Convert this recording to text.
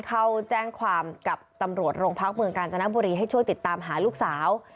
เข้าแจ้งความกับตำรวจโรงพักเมืองกาญจนบุรีให้ช่วยติดตามหาลูกสาว